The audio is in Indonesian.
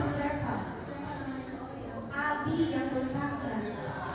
untuk kota berapa beras